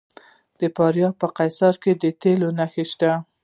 د فاریاب په قیصار کې د تیلو نښې شته.